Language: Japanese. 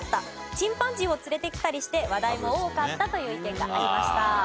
チンパンジーを連れてきたりして話題も多かったという意見がありました。